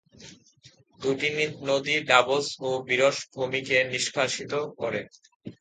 দু'টি নদী ডাবলস ও বিরস ভূমিকে নিষ্কাশিত করে।